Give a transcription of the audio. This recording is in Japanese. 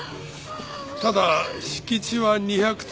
ただ敷地は２００坪。